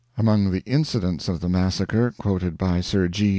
Among the incidents of the massacre quoted by Sir G.